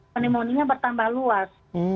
monimonyenya bertambah luas